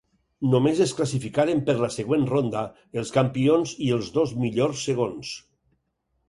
Només es classificaren per la següent ronda els campions i els dos millors segons.